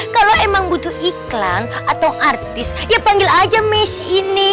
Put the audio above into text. kalau emang butuh iklan atau artis ya panggil aja miss ini